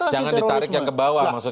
jangan ditarik yang ke bawah